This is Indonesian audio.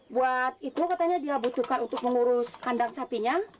buat itu katanya dia butuhkan untuk mengurus kandang sapinya